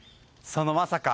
そのまさか。